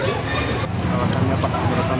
mereka menganggap bahwa mereka tidak berhubung